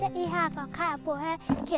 à cho cô làm thử nhá